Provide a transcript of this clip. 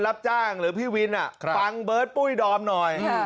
รับจ้างหรือพี่วินอ่ะครับปังเบิร์ตปุ้ยดอมหน่อยฮือ